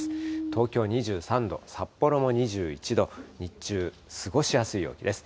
東京２３度、札幌も２１度、日中、過ごしやすい陽気です。